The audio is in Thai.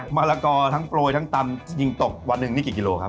มะละกอทั้งโปรยทั้งตำยิงตกวันหนึ่งนี่กี่กิโลครับ